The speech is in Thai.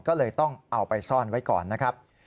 ก็เลยต้องเอาไปซ่อนไว้ก่อนนะครับ